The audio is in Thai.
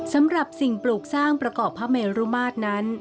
สำหรับสิ่งปลูกสร้างประกอบพระเมรุมาตรนั้น